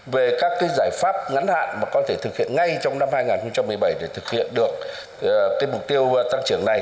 về các giải pháp ngắn hạn mà có thể thực hiện ngay trong năm hai nghìn một mươi bảy để thực hiện được mục tiêu tăng trưởng này